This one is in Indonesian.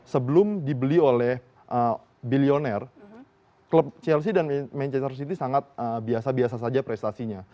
sebelum dibeli oleh bilioner klub chelsea dan manchester city sangat biasa biasa saja prestasinya